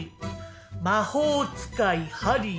魔法使いハリー。